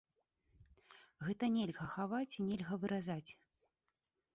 Гэта нельга хаваць і нельга выразаць.